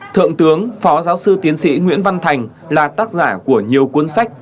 thượng tướng phó giáo sư tiến sĩ nguyễn văn thành là tác giả của nhiều cuốn sách